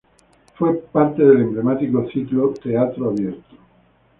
Fue parte del emblemático ciclo Teatro Abierto.